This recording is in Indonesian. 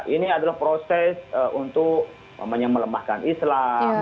ini adalah proses untuk melemahkan islam